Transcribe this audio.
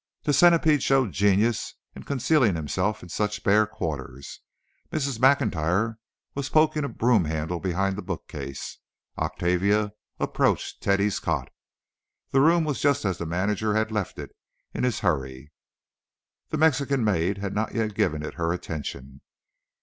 The centipede showed genius in concealing himself in such bare quarters. Mrs. Maclntyre was poking a broom handle behind the bookcase. Octavia approached Teddy's cot. The room was just as the manager had left it in his hurry. The Mexican maid had not yet given it her attention.